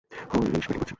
Harish batting করছে।